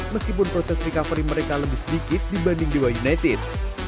meskipun proses recovery mereka lebih sedikit dibanding dewa united